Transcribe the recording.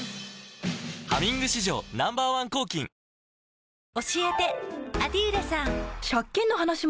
「ハミング」史上Ｎｏ．１抗菌男性）